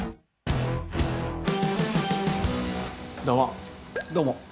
どうも。